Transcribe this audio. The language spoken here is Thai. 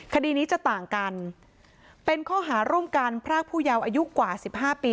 คดีนี้จะต่างกันเป็นข้อหาร่วมกันพรากผู้เยาว์อายุกว่าสิบห้าปี